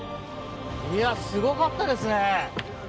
すごかったですね。